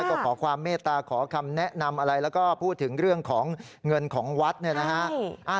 ก็ขอความเมตตาขอคำแนะนำอะไรแล้วก็พูดถึงเรื่องของเงินของวัดเนี่ยนะฮะ